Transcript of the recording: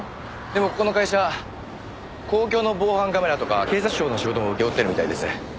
でもここの会社公共の防犯カメラとか警察庁の仕事も請け負ってるみたいです。